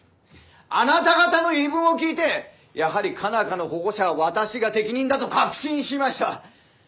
あなた方の言い分を聞いてやはり佳奈花の保護者は私が適任だと確信しました。